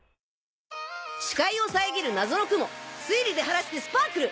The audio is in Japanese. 視界を遮る謎の雲推理で晴らしてスパークル！